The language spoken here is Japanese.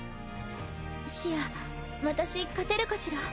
シア私勝てるかしら？